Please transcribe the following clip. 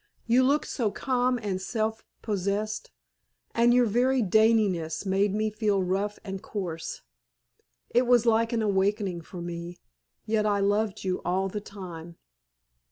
You looked so calm and self possessed, and your very daintiness made me feel rough and coarse. It was like an awakening for me. Yet I loved you all the time."